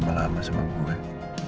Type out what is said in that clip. yang bisa pelakukan